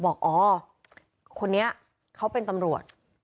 บอกอ๋อคนนี้เขาเป็นตำรวจ